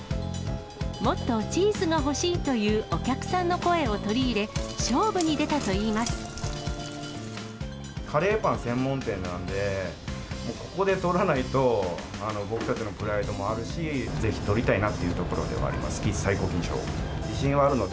もっとチーズが欲しいというお客さんの声を取り入れ、勝負に出たカレーパン専門店なんで、もうここでとらないと、僕たちのプライドもあるし、ぜひとりたいなっていうところではあります、最高金賞。